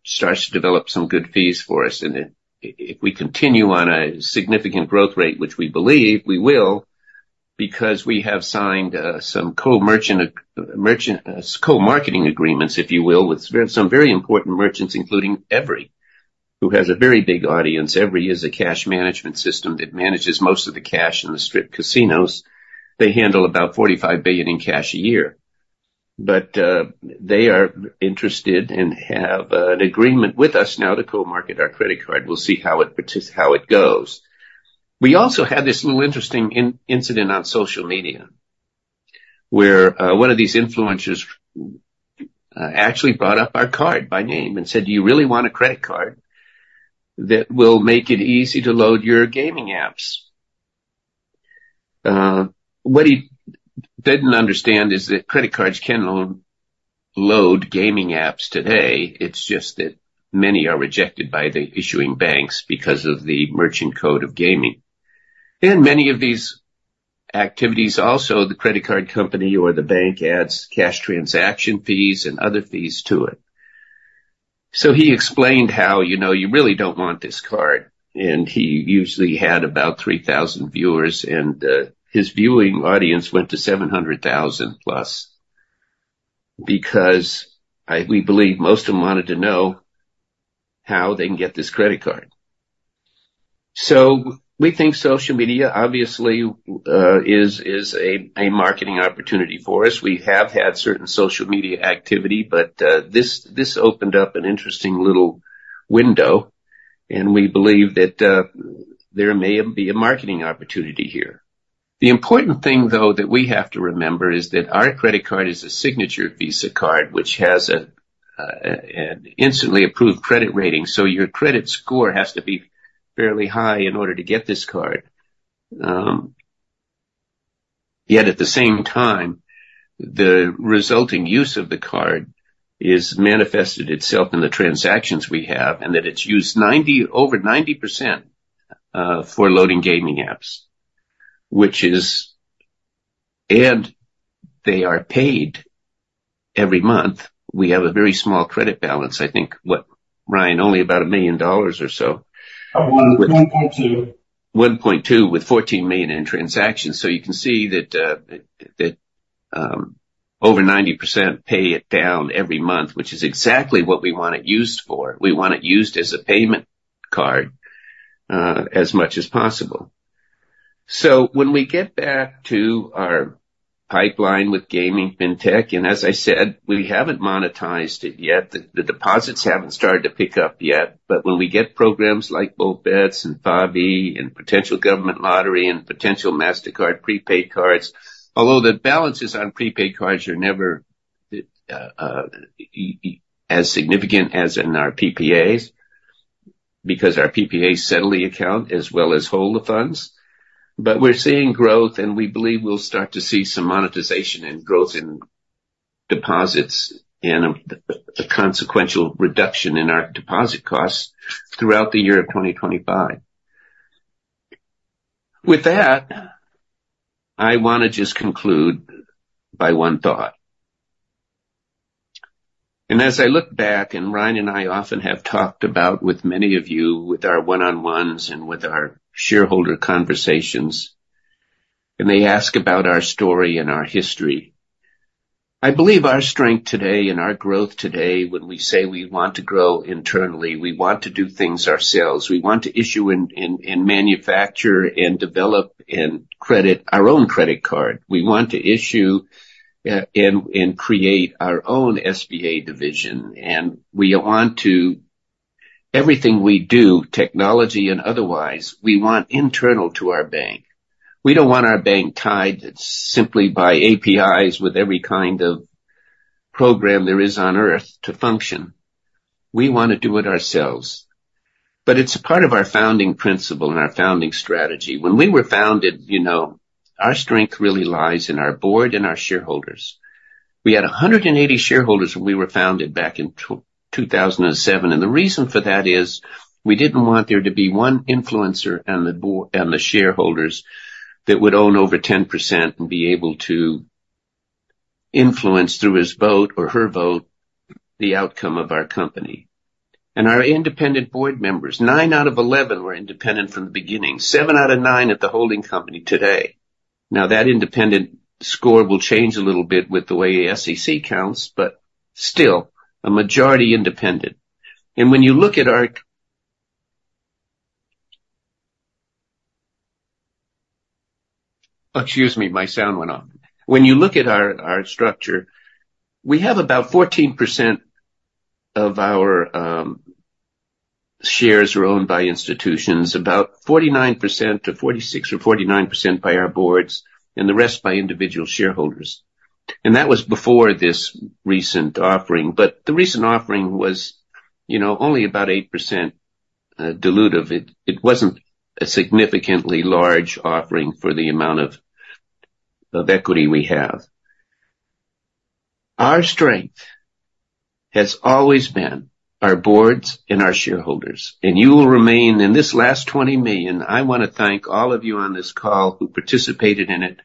starts to develop some good fees for us. And if we continue on a significant growth rate, which we believe we will, because we have signed some co-merchant, merchant, co-marketing agreements, if you will, with some very important merchants, including Everi, who has a very big audience. Everi is a cash management system that manages most of the cash in the strip casinos. They handle about $45 billion in cash a year. But they are interested and have an agreement with us now to co-market our credit card. We'll see how it goes. We also had this little interesting incident on social media, where one of these influencers actually brought up our card by name and said, "Do you really want a credit card that will make it easy to load your gaming apps?" What he didn't understand is that credit cards can load gaming apps today. It's just that many are rejected by the issuing banks because of the merchant code of gaming. And many of these activities. Also, the credit card company or the bank adds cash transaction fees and other fees to it. So he explained how, you know, you really don't want this card, and he usually had about three thousand viewers, and his viewing audience went to seven hundred thousand plus. Because we believe most of them wanted to know how they can get this credit card. So we think social media, obviously, is a marketing opportunity for us. We have had certain social media activity, but this opened up an interesting little window, and we believe that there may be a marketing opportunity here. The important thing, though, that we have to remember is that our credit card is a signature Visa card, which has an instantly approved credit rating. So your credit score has to be fairly high in order to get this card. Yet at the same time, the resulting use of the card is manifested itself in the transactions we have, and that it's used over 90% for loading gaming apps, which is... And they are paid every month. We have a very small credit balance. I think, what, Ryan, only about $1 million or so? About 1.2 1.2 with 14 million in transactions. So you can see that over 90% pay it down every month, which is exactly what we want it used for. We want it used as a payment card as much as possible. So when we get back to our pipeline with gaming fintech, and as I said, we haven't monetized it yet. The deposits haven't started to pick up yet. But when we get programs like Bold Bets and Fabi, and potential government lottery, and potential Mastercard prepaid cards, although the balances on prepaid cards are never as significant as in our PPAs, because our PPAs settle the account as well as hold the funds. But we're seeing growth, and we believe we'll start to see some monetization and growth in deposits and a consequential reduction in our deposit costs throughout the year of 2025. With that, I wanna just conclude by one thought. And as I look back, and Ryan and I often have talked about with many of you, with our one-on-ones and with our shareholder conversations, and they ask about our story and our history. I believe our strength today and our growth today, when we say we want to grow internally, we want to do things ourselves. We want to issue and manufacture and develop and credit our own credit card. We want to issue and create our own SBA division, and we want to. Everything we do, technology and otherwise, we want internal to our bank. We don't want our bank tied simply by APIs with every kind of program there is on Earth to function. We want to do it ourselves. But it's a part of our founding principle and our founding strategy. When we were founded, you know, our strength really lies in our board and our shareholders. We had a hundred and eighty shareholders when we were founded back in two thousand and seven, and the reason for that is we didn't want there to be one influencer and the board and the shareholders that would own over 10% and be able to influence through his vote or her vote, the outcome of our company. And our independent board members, nine out of 11, were independent from the beginning. Seven out of nine at the holding company today. Now, that independent score will change a little bit with the way SEC counts, but still a majority independent. And when you look at our... Excuse me, my sound went off. When you look at our structure, we have about 14% of our shares are owned by institutions, about 49%-46% or 49% by our boards, and the rest by individual shareholders. And that was before this recent offering. But the recent offering was, you know, only about 8% dilutive. It wasn't a significantly large offering for the amount of equity we have. Our strength has always been our boards and our shareholders, and you will remain in this last $20 million. I want to thank all of you on this call who participated in it.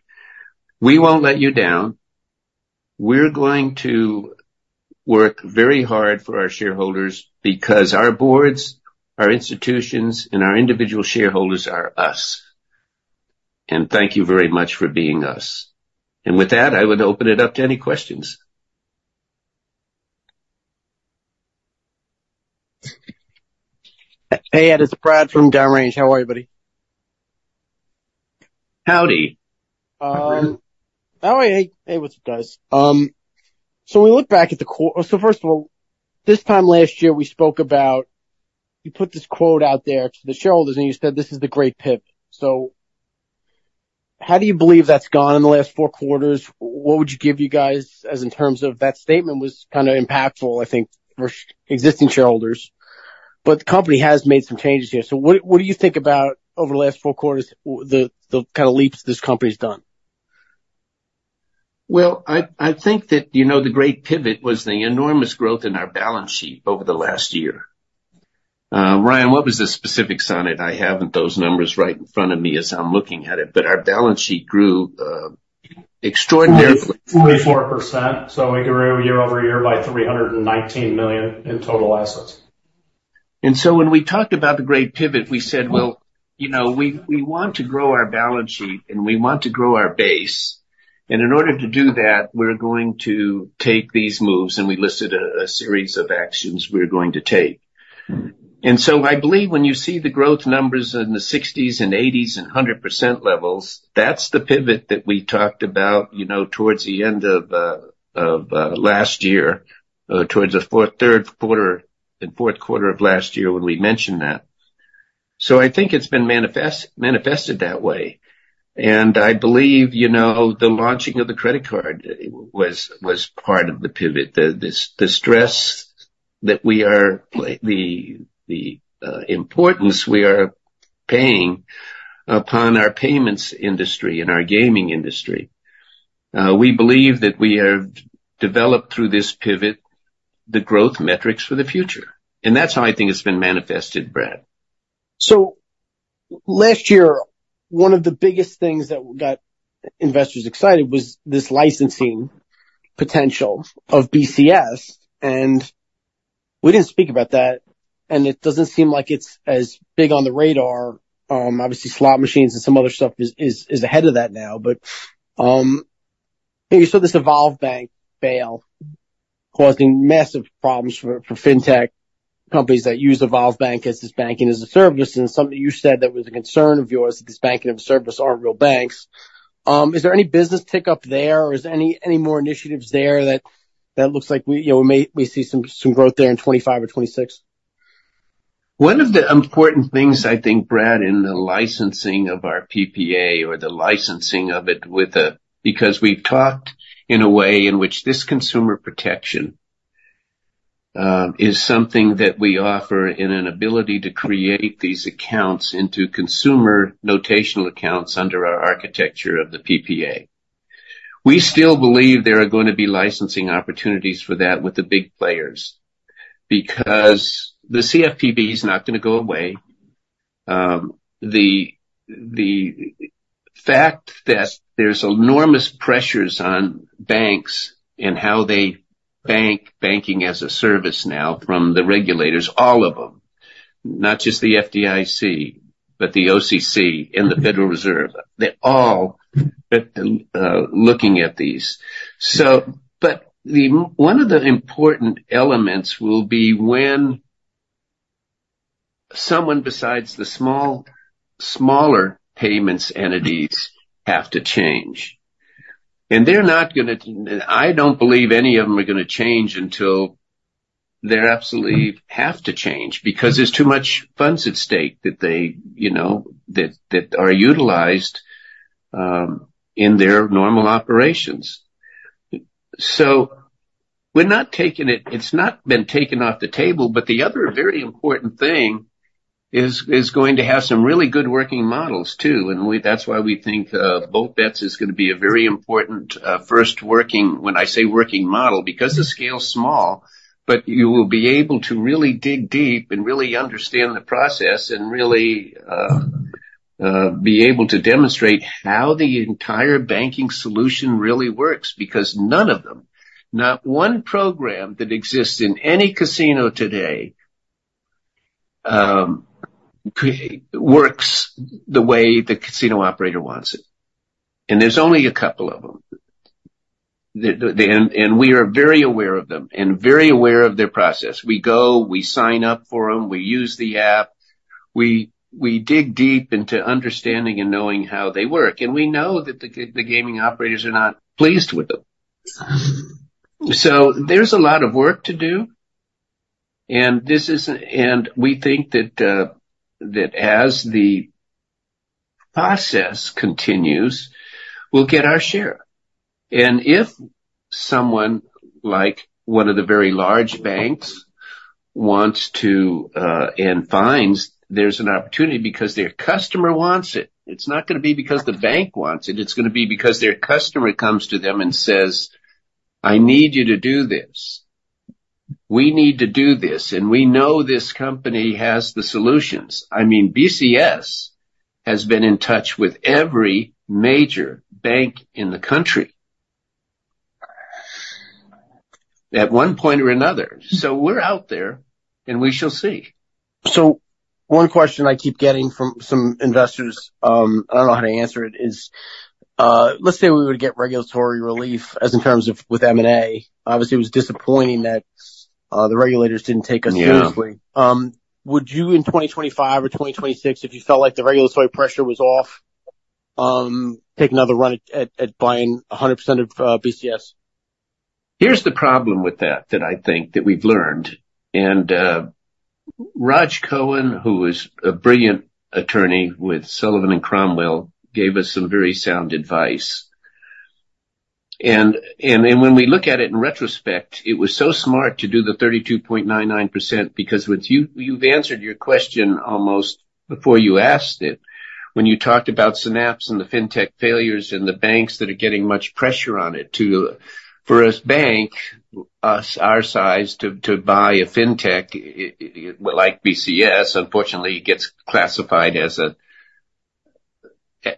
We won't let you down. We're going to work very hard for our shareholders because our boards, our institutions, and our individual shareholders are us. And thank you very much for being us. And with that, I would open it up to any questions. Hey, Ed, it's Brad from Down Range. How are you, buddy? Howdy. How are you? Hey, what's up, guys? So first of all, this time last year, we spoke about. You put this quote out there to the shareholders, and you said, "This is the great pivot." So how do you believe that's gone in the last four quarters? What would you give you guys as in terms of that statement was kinda impactful, I think, for existing shareholders, but the company has made some changes here. So what do you think about over the last four quarters, the kinda leaps this company's done? I think that, you know, the great pivot was the enormous growth in our balance sheet over the last year. Ryan, what was the specifics on it? I haven't those numbers right in front of me as I'm looking at it, but our balance sheet grew extraordinarily- 44%, so we grew year over year by $319 million in total assets. And so when we talked about the great pivot, we said, "Well, you know, we want to grow our balance sheet, and we want to grow our base. And in order to do that, we're going to take these moves," and we lived a series of actions we're going to take. And so I believe when you see the growth numbers in the sixties and eighties and 100% levels, that's the pivot that we talked about, you know, towards the end of last year, towards the third quarter and fourth quarter of last year when we mentioned that. So I think it's been manifested that way, and I believe, you know, the launching of the credit card was part of the pivot. The stress that we are, the importance we are paying upon our payments industry and our gaming industry. We believe that we have developed through this pivot, the growth metrics for the future, and that's how I think it's been manifested, Brad. Last year, one of the biggest things that got investors excited was this licensing potential of BCS, and we didn't speak about that, and it doesn't seem like it's as big on the radar. Obviously, slot machines and some other stuff is ahead of that now. But you saw this Evolve Bank fail, causing massive problems for fintech companies that use Evolve Bank as this banking as a service, and something you said that was a concern of yours, that this banking as a service aren't real banks. Is there any business tick up there, or is there any more initiatives there that looks like we, you know, may we see some growth there in 2025 or 2026? One of the important things, I think, Brad, in the licensing of our PPA or the licensing of it with a. Because we've talked in a way in which this consumer protection is something that we offer in an ability to create these accounts into consumer notional accounts under our architecture of the PPA. We still believe there are going to be licensing opportunities for that with the big players, because the CFPB is not going to go away. The fact that there's enormous pressures on banks and how they bank banking-as-a-service now from the regulators, all of them, not just the FDIC, but the OCC and the Federal Reserve, they're all looking at these. So but the one of the important elements will be when someone besides the small, smaller payments entities have to change, and they're not gonna. I don't believe any of them are gonna change until they absolutely have to change, because there's too much funds at stake that they, you know, that are utilized in their normal operations. So we're not taking it. It's not been taken off the table, but the other very important thing is going to have some really good working models, too. That's why we think Bold Bets is going to be a very important first working model, because the scale is small, but you will be able to really dig deep and really understand the process and really be able to demonstrate how the entire banking solution really works. Because none of them, not one program that exists in any casino today, works the way the casino operator wants it. And there's only a couple of them. We are very aware of them and very aware of their process. We go, we sign up for them, we use the app, we dig deep into understanding and knowing how they work, and we know that the gaming operators are not pleased with them. So there's a lot of work to do, and this is and we think that as the process continues, we'll get our share. And if someone, like one of the very large banks, wants to and finds there's an opportunity because their customer wants it, it's not going to be because the bank wants it, it's going to be because their customer comes to them and says, "I need you to do this. We need to do this, and we know this company has the solutions." I mean, BCS has been in touch with every major bank in the country at one point or another. So we're out there, and we shall see. So one question I keep getting from some investors, I don't know how to answer it, is, let's say we were to get regulatory relief, as in terms of with M&A. Obviously, it was disappointing that the regulators didn't take us seriously. Yeah. Would you, in 2025 or 2026, if you felt like the regulatory pressure was off, take another run at buying a 100% of BCS? Here's the problem with that, that I think that we've learned, and Rodge Cohen, who is a brilliant attorney with Sullivan & Cromwell, gave us some very sound advice. And when we look at it in retrospect, it was so smart to do the 32.99%, because what you've answered your question almost before you asked it. When you talked about Synapse and the fintech failures and the banks that are getting much pressure on it, to, for a bank, us, our size, to buy a fintech, it, like BCS, unfortunately, it gets classified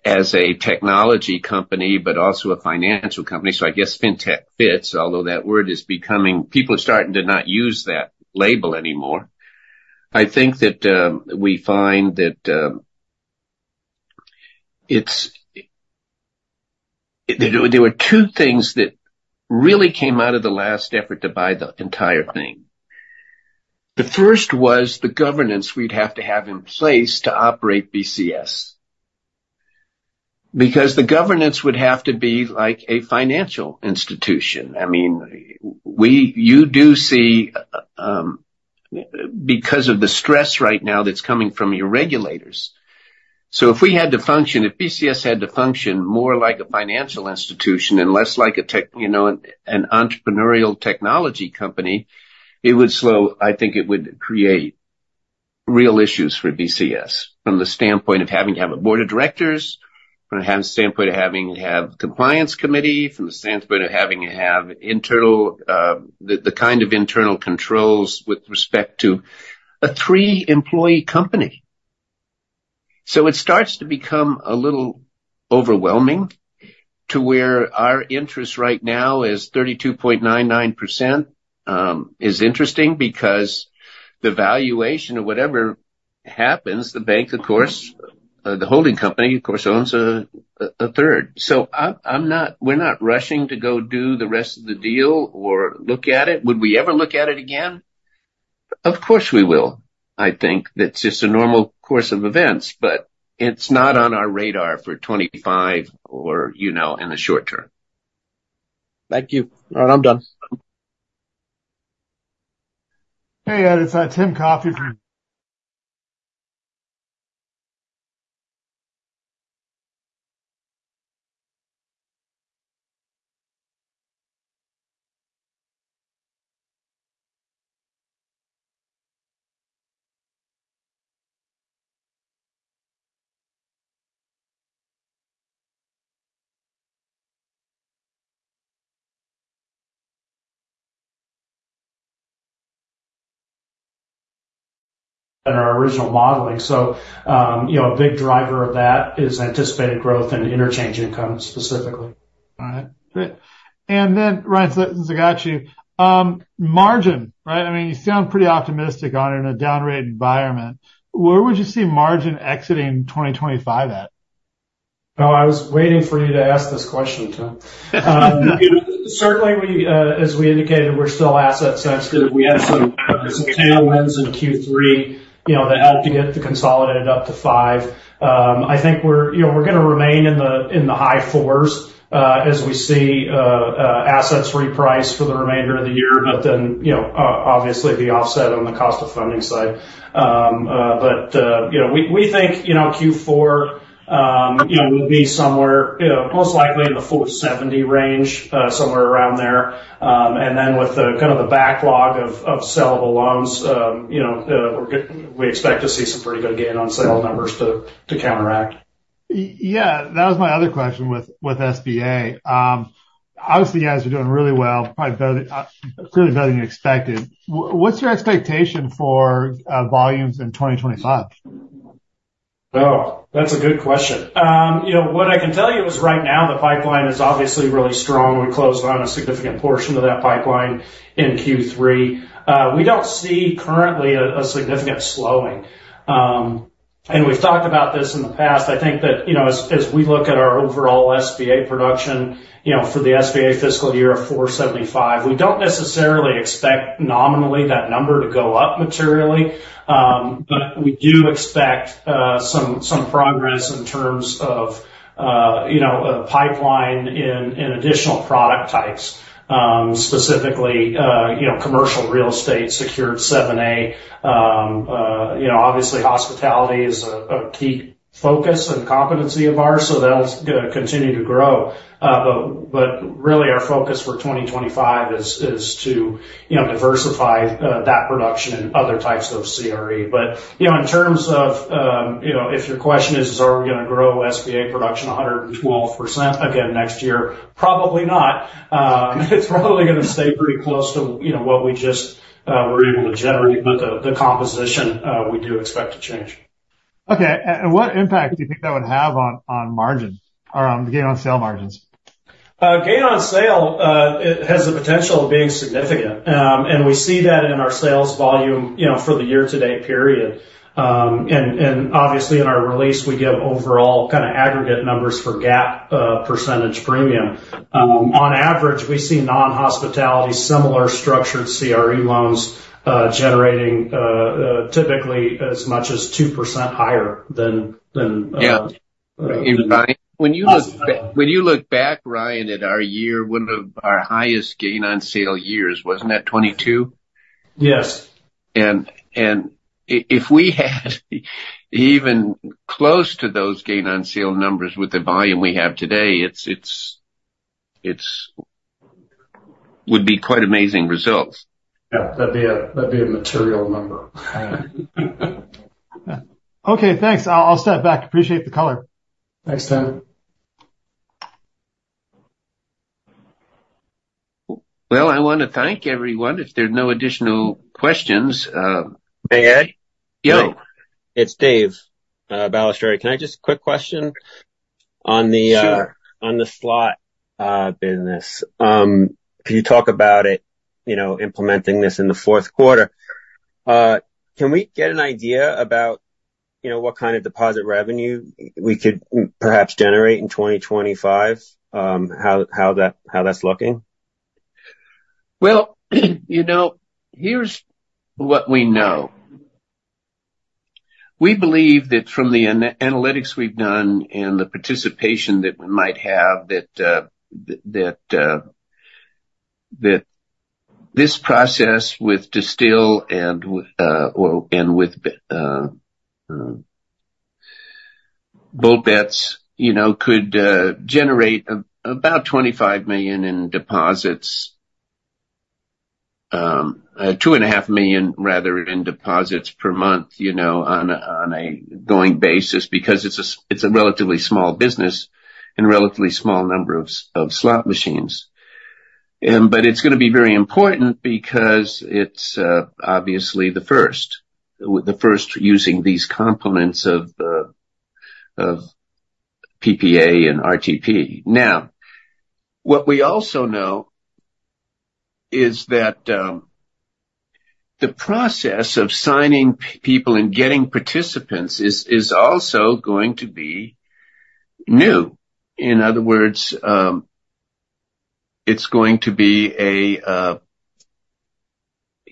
as a technology company, but also a financial company. So I guess fintech fits, although that word is becoming, people are starting to not use that label anymore. I think that we find that there were two things that really came out of the last effort to buy the entire thing. The first was the governance we'd have to have in place to operate BCS. Because the governance would have to be like a financial institution. I mean, you do see, because of the stress right now that's coming from your regulators. So if we had to function, if BCS had to function more like a financial institution and less like a tech, you know, an entrepreneurial technology company, it would slow. I think it would create real issues for BCS from the standpoint of having to have a board of directors, from the standpoint of having to have a compliance committee, from the standpoint of having to have internal, the kind of internal controls with respect to a three-employee company. So it starts to become a little overwhelming to where our interest right now is 32.99%, is interesting because the valuation of whatever happens, the bank, of course, the holding company, of course, owns a third. So I'm not. We're not rushing to go do the rest of the deal or look at it. Would we ever look at it again? Of course, we will. I think that's just a normal course of events, but it's not on our radar for 2025 or, you know, in the short term. Thank you. All right, I'm done. Hey, Ed, it's Tim Coffey from... Than our original modeling, so you know, a big driver of that is anticipated growth in interchange income, specifically. All right, great. And then, Ryan, since I got you, margin, right? I mean, you sound pretty optimistic on it in a down rate environment. Where would you see margin exiting 2025 at? Oh, I was waiting for you to ask this question, Tim. Certainly, we, as we indicated, we're still asset sensitive. We have some tailwinds in Q3, you know, that helped to get the consolidated up to five. I think we're, you know, we're going to remain in the, in the high fours, as we see, assets reprice for the remainder of the year, but then, you know, obviously, the offset on the cost of funding side. But, you know, we, we think, you know, Q4, you know, will be somewhere, you know, most likely in the four seventy range, somewhere around there. And then with the kind of the backlog of sellable loans, you know, we expect to see some pretty good gain on sale numbers to counteract. Yeah, that was my other question with SBA. Obviously, you guys are doing really well, probably better, clearly better than expected. What's your expectation for volumes in 2025? Oh, that's a good question. You know, what I can tell you is right now, the pipeline is obviously really strong. We closed on a significant portion of that pipeline in Q3. We don't see currently a significant slowing. And we've talked about this in the past. I think that, you know, as we look at our overall SBA production, you know, for the SBA fiscal year of 475, we don't necessarily expect nominally that number to go up materially. But we do expect some progress in terms of, you know, a pipeline in additional product types. Specifically, you know, commercial real estate, secured 7(a). You know, obviously, hospitality is a key focus and competency of ours, so that'll continue to grow. But really our focus for 2025 is to, you know, diversify that production in other types of CRE. But, you know, in terms of, if your question is, are we going to grow SBA production 112% again next year? Probably not. It's probably going to stay pretty close to, you know, what we just were able to generate, but the composition we do expect to change. Okay, and what impact do you think that would have on margins or gain on sale margins? Gain on Sale, it has the potential of being significant. And we see that in our sales volume, you know, for the year-to-date period. And obviously, in our release, we give overall kind of aggregate numbers for GAAP percentage premium. On average, we see non-hospitality similar structured CRE loans generating typically as much as 2% higher than, Yeah. When you look back, Ryan, at our year, one of our highest gain on sale years, wasn't that 2022? Yes. If we had even close to those gain on sale numbers with the volume we have today, it would be quite amazing results. Yeah, that'd be a material number. Okay, thanks. I'll, I'll step back. Appreciate the color. Thanks, Tim. I wanna thank everyone. If there's no additional questions. Hey, Ed? Yo. It's Dave Balestra. Can I just quick question on the. Sure. On the slot business. Can you talk about it, you know, implementing this in the fourth quarter? Can we get an idea about, you know, what kind of deposit revenue we could perhaps generate in 2025? How that's looking? You know, here's what we know. We believe that from the analytics we've done and the participation that we might have, that this process with Distill and with Bold Bets, you know, could generate about $25 million in deposits. Two and a half million, rather, in deposits per month, you know, on a going basis, because it's a relatively small business and a relatively small number of slot machines. But it's gonna be very important because it's obviously the first using these components of PPA and RTP. Now, what we also know is that the process of signing people and getting participants is also going to be new. In other words, it's going to be...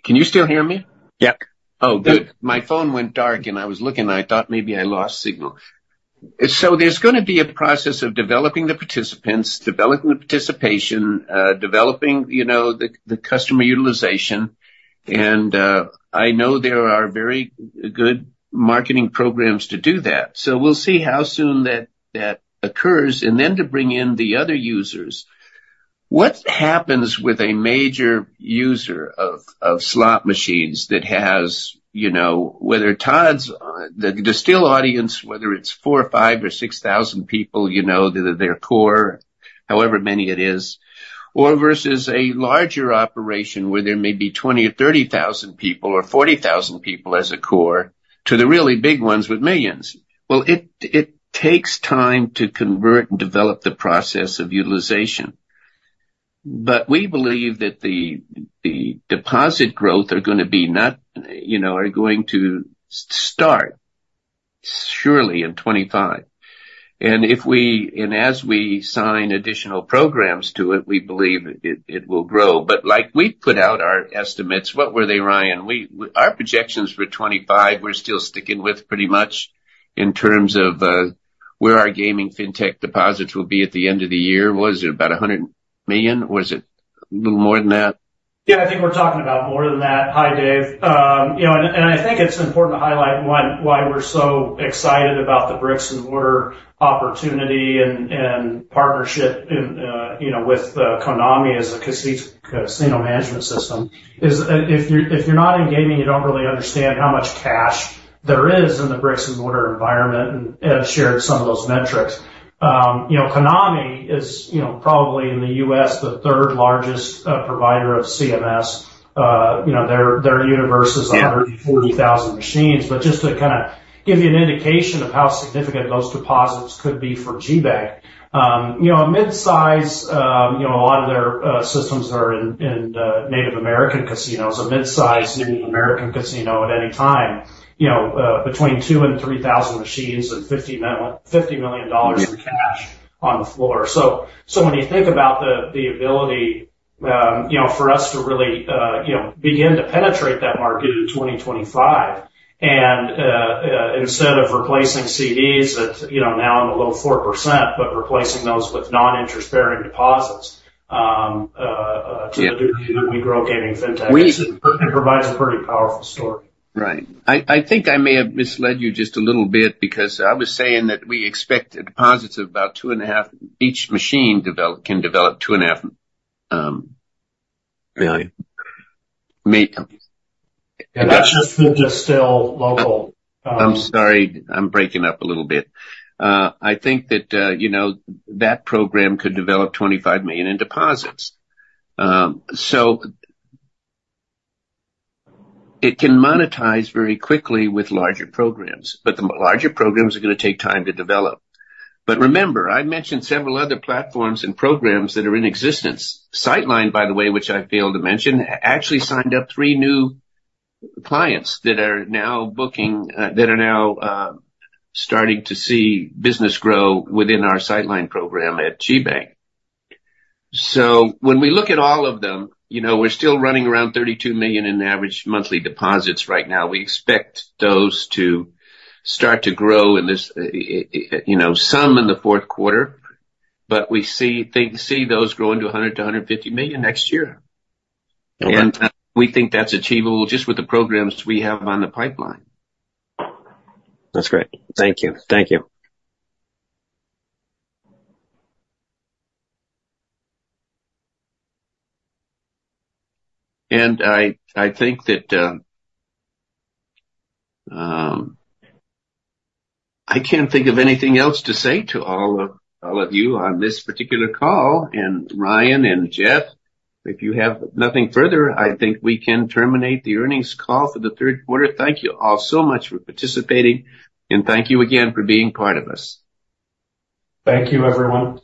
Can you still hear me? Yep. Oh, good. My phone went dark, and I was looking. I thought maybe I lost signal. So there's gonna be a process of developing the participants, developing the participation, developing, you know, the customer utilization, and I know there are very good marketing programs to do that. So we'll see how soon that occurs, and then to bring in the other users. What happens with a major user of slot machines that has, you know, whether Todd's the Distill audience, whether it's four or five or 6,000 people, you know, they're core, however many it is, or versus a larger operation, where there may be 20 or 30 thousand people or 40 thousand people as a core, to the really big ones with millions? It takes time to convert and develop the process of utilization. But we believe that the deposit growth are gonna be not, you know, are going to start surely in 2025. And as we sign additional programs to it, we believe it will grow. But like we put out our estimates. What were they, Ryan? Our projections for 2025, we're still sticking with pretty much in terms of where our gaming fintech deposits will be at the end of the year. What is it? About $100 million, or is it a little more than that? Yeah, I think we're talking about more than that. Hi, Dave. You know, and I think it's important to highlight why we're so excited about the bricks-and-mortar opportunity and partnership in, you know, with Konami as a casino management system, is if you're not in gaming, you don't really understand how much cash there is in the bricks-and-mortar environment, and Ed shared some of those metrics. You know, Konami is, you know, probably in the U.S., the third largest provider of CMS. You know, their universe is 140,000 machines. But just to kind of give you an indication of how significant those deposits could be for GBank, you know, a mid-size, you know, a lot of their systems are in Native American casinos. A mid-size Native American casino at any time, you know, between two and three thousand machines and $50 million in cash on the floor. So when you think about the ability, you know, for us to really, you know, begin to penetrate that market in 2025, and instead of replacing CDs that, you know, now in the low 4%, but replacing those with non-interest-bearing deposits. Yeah to the degree that we grow gaming fintech, it provides a pretty powerful story. Right. I think I may have misled you just a little bit because I was saying that we expect deposits of about $2.5 million. Each machine can develop $2.5 million, may That's just the Distill local. I'm sorry, I'm breaking up a little bit. I think that, you know, that program could develop $25 million in deposits. So it can monetize very quickly with larger programs, but the larger programs are gonna take time to develop. But remember, I mentioned several other platforms and programs that are in existence. Sightline, by the way, which I failed to mention, actually signed up three new clients that are now booking, that are now starting to see business grow within our Sightline program at GBank. So when we look at all of them, you know, we're still running around $32 million in average monthly deposits right now. We expect those to start to grow in this, you know, some in the fourth quarter, but we see those growing to $100 million-$150 million next year. Okay. We think that's achievable just with the programs we have on the pipeline. That great. Thank you. Thank you. I think that I can't think of anything else to say to all of you on this particular call. Ryan and Jeff, if you have nothing further, I think we can terminate the earnings call for the third quarter. Thank you all so much for participating, and thank you again for being part of us. Thank you, everyone.